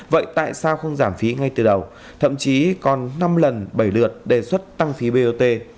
vậy tại sao không giảm phí ngay từ đầu thậm chí còn năm lần bảy lượt đề xuất tăng phí bot